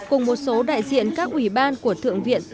cùng một số đại diện các ủy ban của thượng viện